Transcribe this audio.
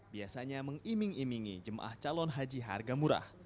biasanya mengiming imingi jemaah calon haji harga murah